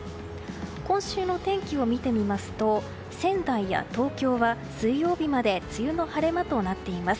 今週の天気を見てみますと仙台や東京は水曜日まで梅雨の晴れ間となっています。